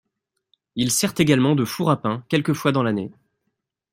Il sert également de four à pain quelques fois dans l'année.